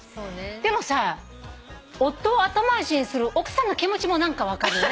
でもさ夫を後回しにする奥さんの気持ちも何か分かるよね。